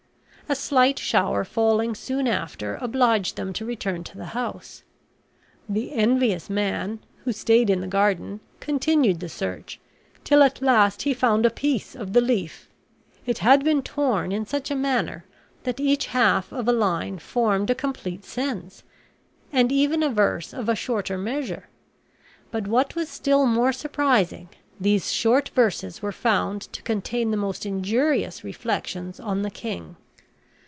A slight shower falling soon after obliged them to return to the house. The envious man, who stayed in the garden, continued the search till at last he found a piece of the leaf. It had been torn in such a manner that each half of a line formed a complete sense, and even a verse of a shorter measure; but what was still more surprising, these short verses were found to contain the most injurious reflections on the king.